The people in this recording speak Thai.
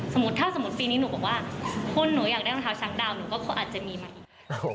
ถ้าสมมุติปีนี้หนูบอกว่าหุ้นหนูอยากได้รองเท้าช้างดาวหนูก็อาจจะมีมาอีก